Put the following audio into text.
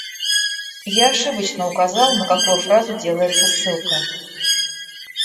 Я ошибочно указал, на какую фразу делается ссылка.